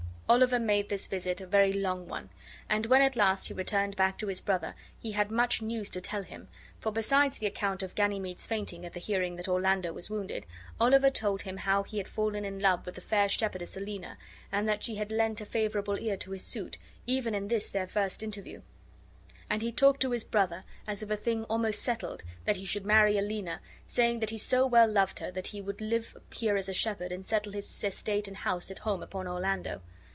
Oliver made this visit a very long one, and when at last he returned back to his brother he had much news to tell him; for, besides the account of Ganymede's fainting at the hearing that Orlando was wounded, Oliver told him how he had fallen in love with the fair shepherdess Aliena, and that she had lent a favorable ear to his suit, even in this their first interview; and he talked to his brother, as of a thing almost settled, that he should marry Aliena, saying that he so well loved her that he would live here as a shepherd and settle his estate and house at home upon Orlando.